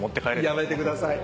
やめてください。